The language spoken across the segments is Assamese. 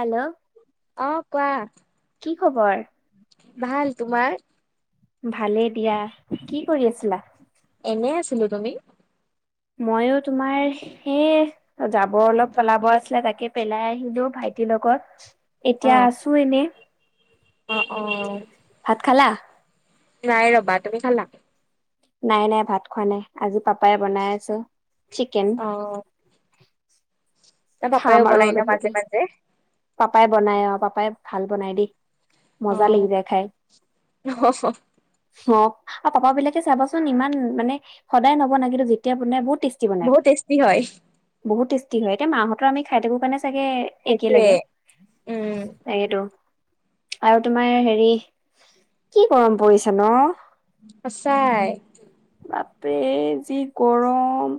হেল্ল'? অ', কোৱা। কি খবৰ? ভাল, তোমাৰ? ভালেই দিয়া, কি কৰি আছিলা? এনেই আছিলোঁ, তুমি? মইয়ো তোমাৰ এ, জাৱৰ অলপ পেলাব আছিলে, তাকে পেলাই আহিলোঁ ভাইটিৰ লগত। অ এতিয়া আছোঁ এনে। অ', অ'। ভাত খালা? নাই ৰ'বা, তুমি খালা? নাই, নাই ভাত খোৱা নাই, আজি পাপাই বনাই আছে চিকেন। অ তোমাৰ খাম পাপাইও আৰু বনাই ন অলপকে। মাজে-মাজে? পাপাই বনাই অ', পাপাই ভাল বনাই দেই। অ মজা লাগি যায় খাই। অ', আৰু পাপাবিলাকে চাবাচোন, ইমান মানে, সদায় নবনাই, কিন্তু যেতিয়া বনাই বহুত টেষ্ট বহুত টেষ্টি হয়। বহুত টেষ্টি হয়, এতিয়া মা হঁতৰ আমি খাই থাকো কাৰণে চাগে সেইটোয়ে। উম [inaudible] তাকেইটো আৰু তোমাৰ হেৰি, কি গৰম পৰিছ ন? সঁচাই। বাপৰে, যি গৰম।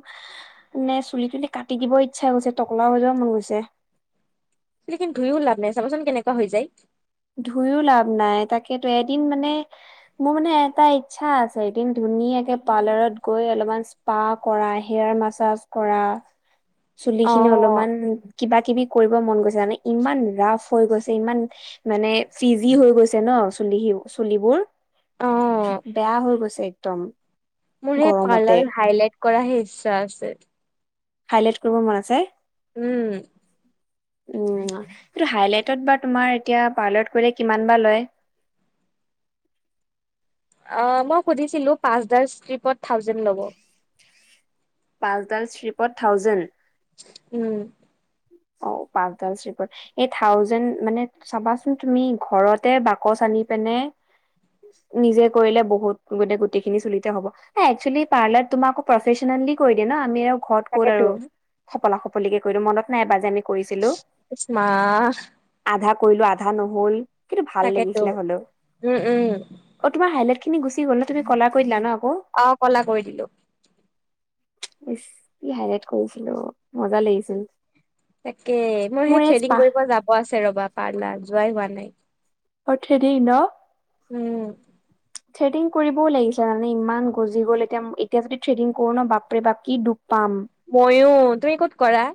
নে চুলি খিনি কাটি দিবই ইচ্ছা হৈছে, টকলা হৈ যাব মন গৈছে। চুলিখিনি ধুইও লাভ নাই, চাবাচোন কেনেকুৱা হৈ যায়। ধুইও লাভ নাই তাকেইতো, এদিন মানে মোৰ মানে এটা ইচ্ছা আছে, এদিন ধুনীয়াকে পাৰ্লাৰত গৈ অলপমান ইচ পা কৰা, হেয়াৰ মাছাজ কৰা। চুলি অ খিনি অলপমান, কিবা-কিবি কৰিব মন গৈছে, মানে ইমান ৰাফ হৈ গৈছে, ইমান মানে ফ্ৰিজি হৈ গৈছে ন, চুলি সিও। চুলিবোৰ, অ বেয়া হৈ গৈছে একদম। মোৰ সেই গৰমতে পাৰ্লাৰত হাইলাইট কৰাহে ইচ্ছা আছে। হাইলাইট কৰিব মন আছে? উম। উম, সেইটো হাইলাইটত বা তোমাৰ এতিয়া পাৰ্লাৰত কৰিলে কিমান বা লয়? অ', মই সুধিছিলোঁ, পাঁচডাল ষ্ট্ৰিপত থাউজেণ্ড ল'ব। পাঁচডাল ষ্ট্ৰিপত থাউজেণ্ড! উম। ঔ পাঁচডাল ষ্ট্ৰিপত এই থাউজেণ্ড মানে চাবাচোন তুমি ঘৰতে বাকচ আনি পিনে নিজে কৰিলে বহুত গোটে গোটেই খিনি চুলিতে হ'ব। একচুৱেলি পাৰ্লাৰত তোমাৰ আক প্ৰফেচনেলি কৰি দিয় ন আমি আৰু ঘৰত ক'ত তাকেতো আৰু সপলা সপলিকে কৰি দিওঁ মনত নাই এবাৰ যে কৰিছিলো ইছ মা আধা কৰিলো আধা নহল। কিন্ত ভাল তাকেতো লাগিছিলে হলেও। উম উম অ তোমাৰা হাইলাইট গুচি গ'ল ন? তুমি কলা দিলা ন আকৌ? অ কলা কৰি দিলো। ইছ কি হাইলাইট কৰিছিলোঁ মজা লাগিছিল। তাকে মোৰ সেই এই থ্ৰেডিং স্পা কৰিব যাব আছে ৰবা, পাৰ্লাৰ যোৱাই হোৱা নাই। অ থ্ৰেডিং ন? উম। থ্ৰেডিং কৰিবও লাগিছিল মানে ইমান গজি গ'ল এতিয়া এতিয়া যদি থ্ৰেডিং কৰো ন বাপৰে বাপ কি দোষ পাম। মইয়ো, তুমি ক'ত কৰা?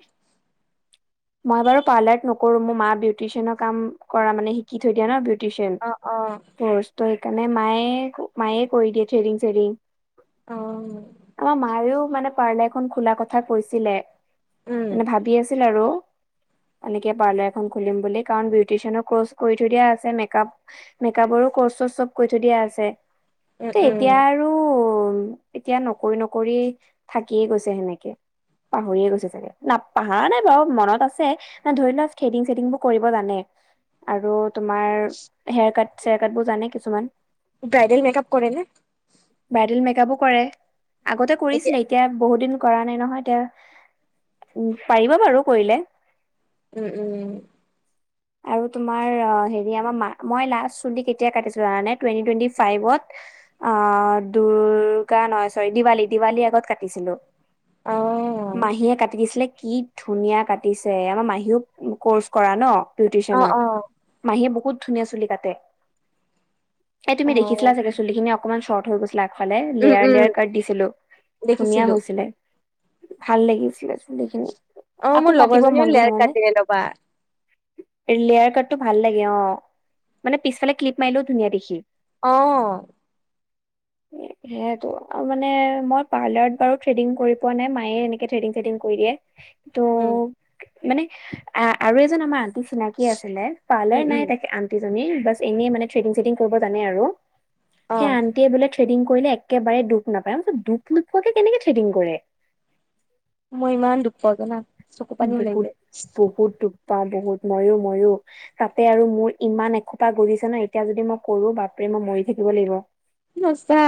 মই বাৰু পাৰ্লাৰত নকৰো মোৰ মা বিউটিচিয়ানৰ কাম কৰা মানে শিকি থৈ দিয়া ন, বিউ চিয়ান অ অ কোৰ্চ, ত সেইকাৰণে মায়ে মায়ে কৰি দিয়ে থ্ৰেডিং চ্ৰেডিং। অঁ। আমাৰ মায়েও মানে পাৰ্লাৰ এখন খোলা কথা কৈছিলে, মানে ভাবি আছিল আৰু। এনেকে পাৰ্লাৰ এখন খুলিম বুলি, কাৰণ বিউটিচিয়ানৰ কৰ্চ কৰি থৈ দিয়া আছে মেকআপ মেকাপৰো কৰ্চ চৰ্চ চব কৈ থৈ দিয়া আছে, উম উম এতিয়া আৰু এতিয়া নকৰি নকৰি থাকিয়ে গৈছে সেনেকে। পাহৰিয়ে গৈছে চাগে? না পাহাৰ নাই বাৰু মনত আছে আছে, অঁ ধৰি লোৱা থ্ৰেডিং চ্ৰেডিংবোৰ কৰিব জানে আৰু তোমাৰ হেয়াৰ কাট চেয়াৰ কাট বোৰ জানে কিছুমান। ব্ৰাইডেল মেকআপ কৰে নে? ব্ৰাইডেল মেকাপো কৰে, আগতে কৰিছিলে এতিয়া বহুত দিন কৰা নাই নহয় এতিয়া, উ পাৰিব বাৰু কৰিলে। উম উম। [inaudible] আৰু তোমাৰ হেৰি আমাৰ মা মই লাষ্ট চুলি কেতিয়া কাটিছিলো জানানে? টুৱেটি টুৱেটি ফাইভত অঁ দুৰ্গা নহয় চৰি দিৱালী দিৱালী আগত কাটিছিলো। অ মাহীয়ে কাটি দিছিলে কি ধুনীয়া কাটিছে! আমাৰ মাহীও কৰ্চ কৰা ন অ বিউটিচিয়ানৰ। অ মাহীয়ে বহুত ধুনীয়া চুলি কাটে, এই অ তুমি দেখিছিলা চাগে চুলিখিনি অকনমান চৰ্ট হৈ গৈছ ফালে উম লেয়াৰ উম লেয়াৰ কাট দিছিলো ধুনীয়া দেখিছিলো হৈছিলে। ভাল লাগিছিলে চুলিখিনি, অ আকৌ মোৰ কাটিব লগৰজনীও মন গৈছে লেয়াৰ কাট মানে। দিলে ৰবা লেয়াৰ কাটটো ভাল লাগে অ মানে পিছফালে ক্লিপ মাৰিলেও ধুনীয়া দেখি। অ। সেইয়াইটো আও মানে মই পাৰ্লাৰত বাৰু থ্ৰেডিং কৰি পোৱা নাই মায়ে এনেকে থ্ৰেডং ছেডিং কৰি দিয়ে ত উম মানে আৰু এজন আমা তি চিনাকি আছিলে উম পাৰলাৰ নাই উম তাকে আ টিজনী বাচ এনেই মানে ট্ৰেডিং ছেডিং কৰিব জানে আৰু, অ সে আন্টিয়ে বোলে থেডিং কৰিলে একেবাৰে ডুপ নাপায়, ডুপ নোপোৱাকে কেনেকে থ্ৰেডিং কৰে? মই ইমান ডুপ পাও জানা চকু পানী ওলাই যায়। কুকুৰটোপ পাওঁ বহুত ময়ো ময়ো। তাতে আৰু মোৰ ইমান এসোপা গজিছে ন এতিয়া যদি মই কৰো বাপৰে মই মৰি থাকিব লাগিব। নচা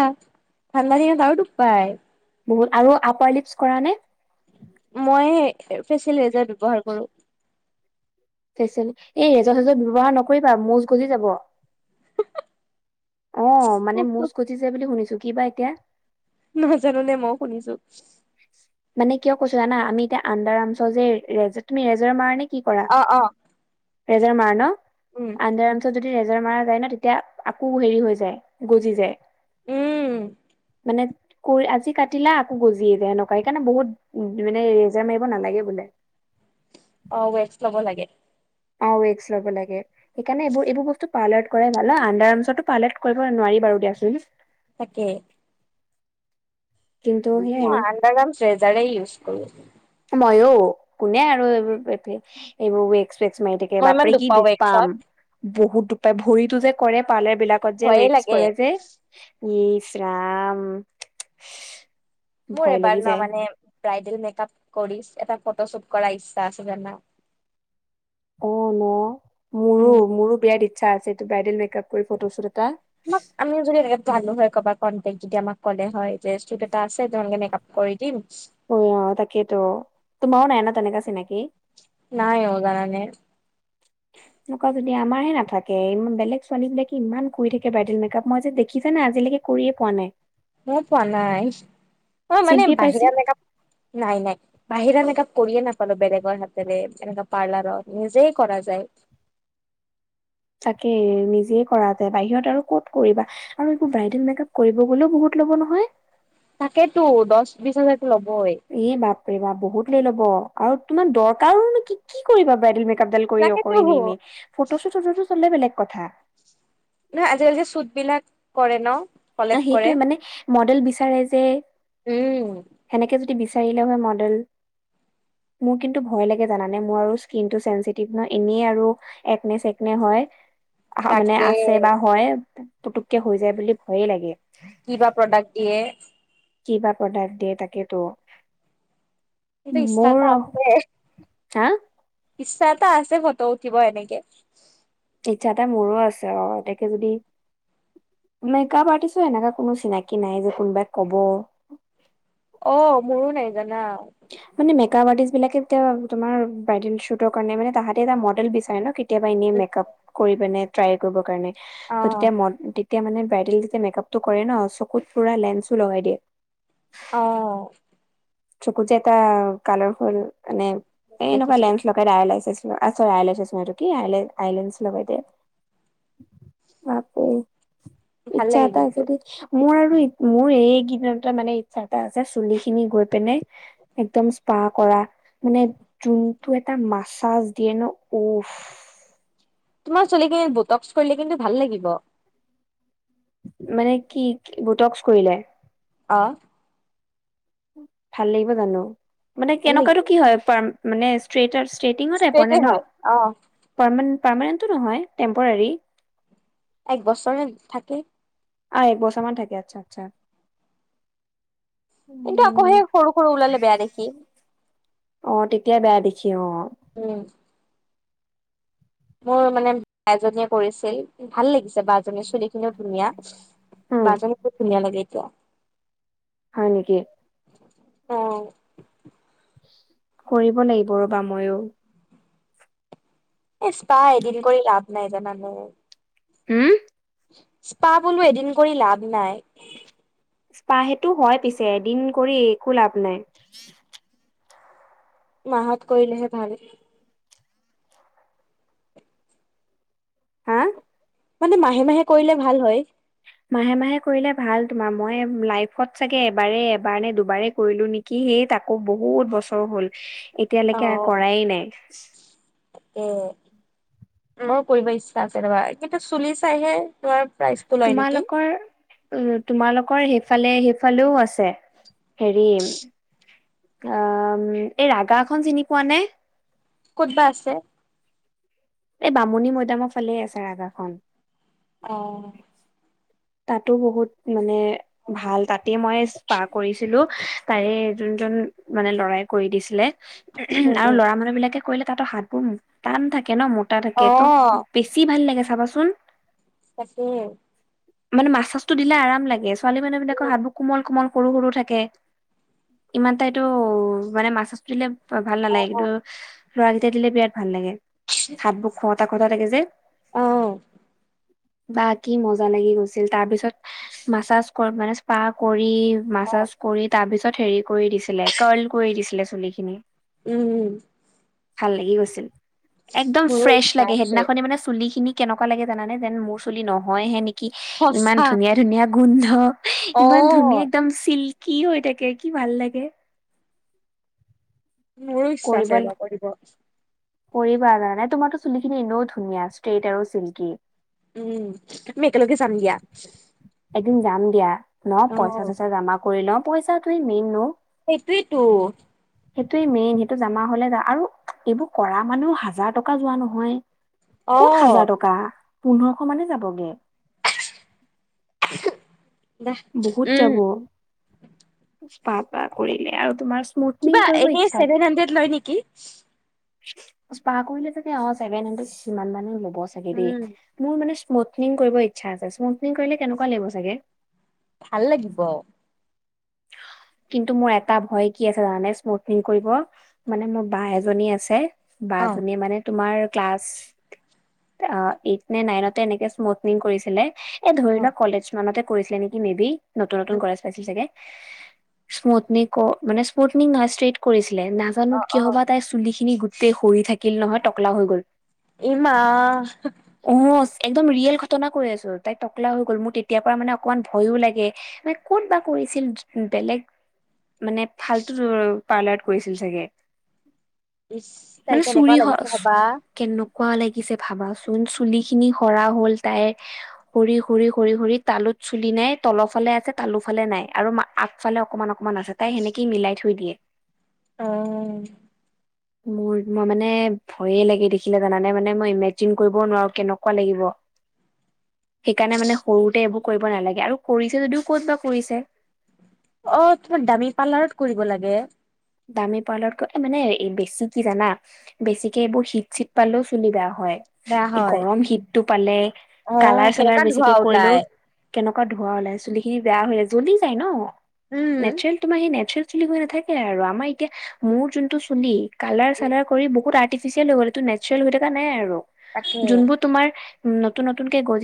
ভাল [unintelligible] ডুপ পায়। বহুত আৰু আপাৰ লিপছ কৰা নে? মই ফেচিলেইজাৰ ব্যৱহাৰ কৰো। ফেচেল এই এজৰ চেজৰ ব্যৱহাৰ নকৰিবা, মোজ গজি যাব। অ মানে কৰো মোজ গজি যায় বুলি শুনিছো, কি বা এতিয়া। নাজানো নে ম‌ও শুনিছো। মানে কিয় কৈছো জানা আমি এতিয়া আণ্ডাৰ আৰ্মচৰ যে ৰেজত তুমি ৰেজৰ মাৰ নে কি কৰা? অ', অ'। ৰেজাৰ মাৰা ন? উম, আণ্ডাৰ আৰ্মচত যদি ৰে জাৰ মৰা যায় ন তেতিয়া আকৌ হেৰি হৈ যায় গজি যায়। উম। মানেত কোৰ আজি কাটিলা আকৌ গজ জি যায়, এনেকা সেইকাৰণে বহুত উ মানে ৰেজাৰ মাৰিব নালাগে বোলে। অ ৱেক্স ল'ব লাগে। অ ৱেক্স ল'ব লাগে, সেইকাৰণে এইবোৰ এইবোৰ বস্তু পাৰ্লাৰত কৰে ভাল অ আণ্ডাৰ আৰ্মচতো পাৰ্লাৰত কৰিব নোৱাৰি বাৰু দিয়াচোন। তাকে। কিন্তু সে অ আণ্ডাৰ আৰ্মচ ৰেজাৰে ইউজ কৰো। মইয়ো কোনে আৰু এইবোৰ পেট পে এইবোৰ ৱেক চোৱেকছ্ মাৰি থাক কে মই ইমান বাপৰে কি দুপাও দুখ ৱেক্সত পাম। বহুত দুখ পায় ভৰিতো যে কৰে পাৰ্লাৰবিলাকত যে ভয়ে ৱেক্স লাগে। কৰে যে ইশ ৰাম মোৰ ভয় এবাৰ লাগি ন যায় মানে ব্ৰাইডেল মেকআপ কৰি এটা ফটোশ্বুট কৰাৰ ইচ্ছা আছে জানা? অ ন মোৰো উম, মোৰো বিৰাট আছে ব্ৰাইডেল মেকাপ কৰি ফটোশ্বুট এটা। [inaudible] মোক যদি এনেকৈ পালো হয় কবাত [unintelligible] যেতিয়া আমাক ক'লে হয় যে চুট এটা আছে। তেওঁলোকে মেক আপ কৰি দিম। অ তাকেইতো তোমাৰও নাই ন তেনেকা চিনাকি? নাই অ জানানে। [inaudible] সেনকা যদি আমাৰহে নাথাকে বেলেগ ছোৱালীবিলাকে ইমান কৰি থাকে ব্ৰাইডেল মেকআপ মই যে দেখিছা না আজিলেকে কৰিয়ে পোৱা নাই। মও পোৱা নাই, অ মানে শিল্পীয়ে বাহিৰা পাইছিল মেক‌আপ, নাই নাই। বাহিৰা মেকআপ কৰিয়ে নাপালো বেলেগৰ হাতেৰে এনেকা পাৰ্লাৰত নিজে কৰা যায়। তাকেই নিজে কৰা যায় বাহিৰত আৰু ক'ত কৰিবা? আৰু এইবোৰ ব্ৰাইডেল মেক আপ কৰিব গ'লেও বহুত ল'ব নহয়। তাকেইতো দহ-বিশ হাজাৰতো ল'বই। এ বাপৰে বাপ বহুত লৈ ল'ব, আৰু তোমাৰ দৰকাৰো ন কি কি কৰিবা ব্ৰাইডেল মেকআপ ডাল কৰি অ তাকেতো কৰি নি নি ফটোচুট-চটোচুট হ'লে বেলেগ কথা। না আজিকালি চুট বিলাক কৰে ন ন কলেপ কৰে। সেইটোৱে মানে মডেল বিচাৰে যে উম। সেনেকে যদি বিচাৰিলে হয় মডেল। মোৰ কিন্তু ভয় লাগে জানা নে, মোৰ আৰু স্কিনটো চেনচেটিভ ন এনেই আৰু একনে-চেকনে হয়। আ মানে তাকে আছে বা হয় পতুকে হৈ যায় বুলি ভয়ে লাগে। কিবা প্ৰডাক্ট দিয়ে। কিবা প্ৰডাক্ট দিয়ে তাকে তো, কিন্তু ইচ্ছা মোৰ এটা আছে। হা? ইচ্ছা এটা আছে ফটো উঠিব এনেকে। ইচ্ছা এটা মোৰো আছে অ তোকে যদি মেকাআপ আৰ্টিষ্টৰ এনেকুৱা কোনো চিনাকি নাই যে কোনোবাই ক'ব অ মোৰো নাই জানা। মানে মেকআপ আৰ্টিষ্ট বিলাকে এতিয়া তুমাৰ ব্ৰাইডেল শুটৰ কাৰণে মানে তাহাতে এটা মডেল বিচাৰে ন কেতিয়াবা এনেই উম মেকআপ কৰি পিনে ট্ৰাই কৰিবৰ কাৰণে। অ ত তেতিয়া ম তেতিয়া মানে ব্ৰাইডেল যেতিয়া মেকআপটো কৰে ন চকুত পুৰা লেন্সো লগাই দিয়ে। অ। চকু যে এটা কালাৰফুল মানে এ এনেকুৱা দেখিছো দে লেন্স আইলেনচ চৰি আইলাইচিছ নহয় এইটো কি আইলাইচিছ লগাই যে তাকে। ভাল ইচ্ছা লাগে এটা কিন্তু। আছে দেই। মোৰ আৰু মোৰ এইকেইদিনতে মানে ইচ্ছা এটা আছে চুলি খিনি গৈ পিনে একদম স্পাহ কৰা। মানে যোনটো এটা মাছাজ দিয়ে ন উফ। তোমাৰ চুলি খিনিত বুটক্স কৰিলে কিন্তু ভাল লাগিব। মানে কি বুটক্স কৰিলে। অ। ভাল লাগিব জানো? মানে ভাল লাগিব। কেনেকুৱাতো কি হয় প মানে ষ্ট্ৰেইটাৰ ষ্ট্ৰেইটিংৰ ষ্ট্ৰেইটে টাইপৰে ন? হয় অ পাৰমান পাৰমানেণ্টটো নহয় টেম্পৰাৰী। এক বছৰে থাকে। অ এক বৰছামান থাকে আচ্ছা আচ্ছা। কিন্তু আকৌ উম, সেই সৰু সৰু ওলালে বেয়া দেখি। অ তেতিয়া বেয়া দেখি অ। উম। মোৰ মানে বা এজনীয়ে কৰিছিল। ভাল লাগিছে বাজনীৰ চুলি খিনিও ধুনীয়া, উম, বাজনী খুপ ধুনীয়া লাগে এতিয়া। হয় নেকি? অ। কৰিব লাগিব ৰ'বা ময়ো। এ স্পাহ এদিন কৰি লাভ নাই জানা নে। ও'ম? স্পা বোলো এদিন কৰি লাভ নাই। স্পা হেইটো হয় পিছে, এদিন কৰি একো লাভ নাই মাহত কৰিলেহে ভাল। হা'। মানে মাহে মাহে কৰিলে ভাল হয়। [unintelligible] মাহে মাহে কৰিলে ভাল তোমাৰ, মই লাইফত চাগে এবাৰ এবাৰ নে দুবাৰেই কৰিলো নেকি। কি তাকো বহুত বছৰ হ'ল এতিয়ালৈকে এ কৰাই নাই। উম, মই কৰিব ইচ্ছা আছে ৰ'বা কিন্তু চুলি চাইহে তোমাৰ প্ৰাইচটো লয় নেকি তোমালোকৰ উম, তোমালোকৰ সেইফালে সেইফালেও আছে। হেৰি আ উম, এই ৰাগাখন চিনি পোৱা নে? ক'ত বা আছে? এই বামুণী মৈদামৰ ফালে আছে ৰাগাখন। অঁ। তাতো বহুত মানে ভাল। তাতে মই স্পা কৰিছিলো, তাৰে যোনজন মানে ল'ৰাই কৰি দিছিলে, উ উম আৰু উম ল'ৰা মানুহ বিলাকে কৰিলে তাহাঁতৰ হাতবোৰ টান থাকে ন' মোটা অ থাকে, ত' বেছি ভাল লাগে চাবাচোন। তাকে। মানে মাছাজটো দিলে আৰাম লাগে। ছোৱালী মানুহবিলাকৰ উম হাতবোৰ কোমল কোমল সৰু সৰু থাকে, ইমান এটা এইতো মানে মাছাজটো দিলে ভাল অ নালাগে, অ কিন্তু লৰাকেইটাই দিলে বিৰাট ভাল লাগে, হাত বোৰ খহটা খহটা থাকে যে। অ'। বা কি মজা লাগি গৈছিল, তাৰ পিছত মাছাজ মানে স্পা কৰি অ মাছাজ কৰি তাৰ পিছত হেৰি কৰি দিছিলে কাৰ্ল কৰি দিছিলে চুলি খিনি। উম,। ভাল লাগি গৈছিল, একদম মোৰো ফ্ৰেছ ইচ্ছা লাগে। আছে সেইদিনাখনে মানে চুলি খিনি কেনেকুৱা লাগে জানানে, যেন মোৰ চুলি নহয় হে নেকি সঁচা ইমান ধুনীয়া ধুনীয়া গোন্ধ। অ ইমান ধুনীয়া একদম চিল্কি হৈ থাকে, কি ভাল লাগে। মোৰো ইচ্ছা কৰিব আছে এবাৰ কৰিব। কৰিবা জনা নে, তোমাৰতো চুলিখিনি এনেও ধুনীয়া ষ্ট্ৰেইট আৰু চিল্কী। উম, আমি একেলগে যাম দিয়া। এদিন যাম দিয়া ন' অ পইচা-চইচা জমা কৰি লওঁ, পইচা টোৱে মেইন ন'। সেইটোৱেই তো। সেইটোৱে মেইন, সেইটো জমা হ'লে যা আৰু এইবোৰ কৰা মনেই হাজাৰ টকা যোৱা নহয়, অ ক'ত হাজাৰ টকা? পোন্ধৰশ মানে যাবগে। বহুত [unintelligible] উম। যাব স্পা পা কৰিলে আৰু তোমাৰ স্মুথনিং কিবা কৰিব এনেই ইচ্ছা ছেভেন হাণ্ড্ৰেড লয় নেকি? স্পা কৰিলে চাগে অ' চছেভেন হাণ্ড্ৰেড সিমান মানে ল'ব চাগে উম দেই। মোৰ মানে স্মুথনিং কৰিব ইচ্ছা আছে, স্মুথনিং কৰিলে কেনেকুৱা লাগিব চাগে? ভাল লাগিব। কিন্তু মোৰ এটা ভয় কি আছে জানানে স্মুথিং কৰিব। মানে মোৰ বা এজনী আছে অ বাজনীয়ে মানে তোমাৰ ক্লাছ অ এইথ নে নাইনতে এনেকে স্মুথনিং কৰিছিলে। এ ধৰি লোৱা কলেজমানতে কৰিছিলে নেকি মে বি নতুন নতুন উম কলেজ পাইছিল চাগে। স্মুঠনিং ক মানে স্মুঠিং নহয় ষ্ট্ৰেইট কৰিছিলে নাজানো অ অ কিয়বা তাই চুলিখিনি গোটেই সৰি থাকিল নহয়, টকলা হৈ গ'ল। এই মা। অ', একদম ৰিয়েল ঘটনা কৈ আছোঁ, তাই টকলা হৈ গ'ল, মোৰ তেতিয়া পৰা মানে অকমান ভয়ো লাগে। মানে ক'ত বা কৰিছিল বেলেগ মানে ফাল্তু [unintelligible] পাৰ্লাৰত কৰিছিল চাগে। ইচ, তাই মানে চুৰি কেনেকুৱা হ লাগিছে ভাবা। কেনেকুৱা লাগিছে ভাবাচোন চুলিখিনি সৰা হ'ল তাইৰ সৰি সৰি সৰি সৰি তালোত চুলি নাই, তলৰ ফালে আছে তালো ফালে নাই। আৰু আগফালে অকমান অকমান আছে তাই সেনেকেই মিলাই থৈ দিয়ে। অ'। মোৰ মই মানে ভয়ে লাগে দেখিলে জানানে মানে মই ইমেজিন কৰিব নোৱাৰো কেনেকুৱা লাগিব। সেইকাৰণে মানে সৰুতে এইবোৰ কৰিব নালাগে, আৰু কৰিছে যদিও ক'ত বা কৰিছে! অ', তোমাৰ দামী পাৰ্লাৰত কৰিব লাগে। দামী পাৰ্লাৰত এ মানে বেছি কি জানা? বেছিকে এইবোৰ হিট চিত পালেও চুলি বেয়া হয়। বেয়া হয় গৰম হীটটো পালে, অ কালাৰ চালাৰ কেনেকা ধোৱা বেছিকে কৰিলেও ওলাই কেনেকুৱা ধোৱা ওলাই, চুলিখিনি বেয়া হৈ যায়। জ্বলি যায় ন, উম নেচাৰেল তোমাৰ সেই নেচাৰেল চুলি হৈ নাথাকে আৰু, আমাৰ এতিয়া মোৰ যোনটো চুলি, কালাৰ চালাৰ কৰি বহুত আৰ্ট তিফিছিয়েল হৈ গল, সেইটো নেচাৰেল হই থকা নাই আৰু। তাকে জোনবোৰ তোমাৰ নতুন নতুন কে গজি